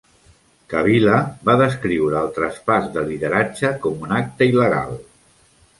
Cavilla va descriure el traspàs de lideratge com un acte il·legal.